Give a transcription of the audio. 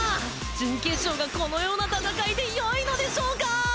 準決勝がこのような戦いでよいのでしょうかー？